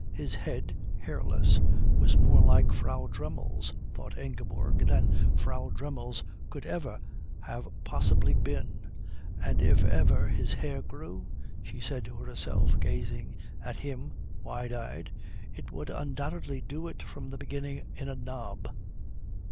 His head, hairless, was more like Frau Dremmel's, thought Ingeborg, than Frau Dremmel's could ever have possibly been, and if ever his hair grew, she said to herself gazing at him wide eyed, it would undoubtedly do it from the beginning in a knob.